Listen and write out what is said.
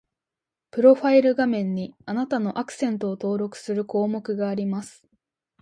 プロファイル画面に、あなたのアクセントを登録する項目があります